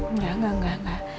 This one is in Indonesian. enggak enggak enggak